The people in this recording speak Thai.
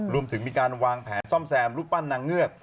รวมถึงมีการวางแผนซ่อมแซมรูปปั้นนางเงือก